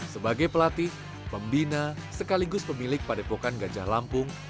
sebagai pelatih pembina sekaligus pemilik padepokan gajah lampung